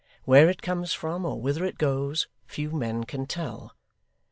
Where it comes from or whither it goes, few men can tell.